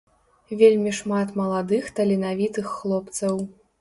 Вельмі шмат маладых таленавітых хлопцаў.